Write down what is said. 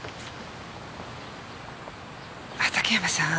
畑山さん